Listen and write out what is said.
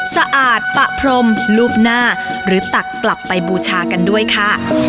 สะอาดปะพรมรูปหน้าหรือตักกลับไปบูชากันด้วยค่ะ